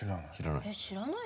知らない。